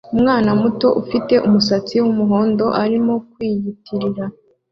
Umwana muto ufite umusatsi wumuhondo arimo kwiyitirira